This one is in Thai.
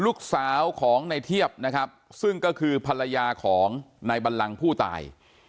ลูกสาวของในเทียบนะครับซึ่งก็คือภรรยาของนายบัลลังผู้ตาย